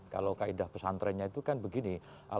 kalau kaedah pesantrennya itu kan begini